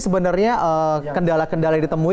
sebenarnya kendala kendala di tempatnya